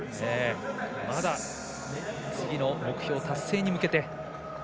まだ次の目標達成に向けて。